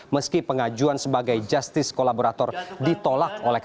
meski pengajuan sebagai justice kolaborator ditolak oleh kpk